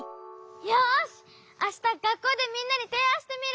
よしあしたがっこうでみんなにていあんしてみる！